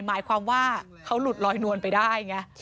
หมายความว่าเขาหลุดลอยนวลไปได้ไง